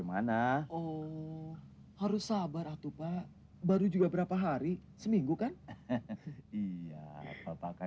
padahal sapi kita masih tetap ada di kandangnya pak